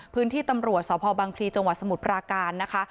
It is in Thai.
พื้นที่ตำรวจสพบังพลีจังหวัดสมุทรปราการนะคะ